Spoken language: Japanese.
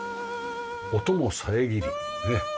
音も遮りねっ。